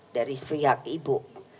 dari pihak ibu